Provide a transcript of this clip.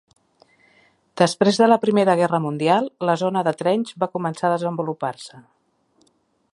Després de la Primera Guerra Mundial la zona de Trench va començar a desenvolupar-se.